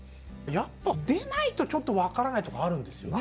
やっぱ出ないとちょっと分からないところがあるんですよね。